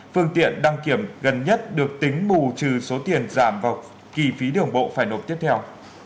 phương tiện đăng kiểm gần nhất được tính bù trừ số tiền giảm vào kỳ phí đường bộ phải nộp tiếp theo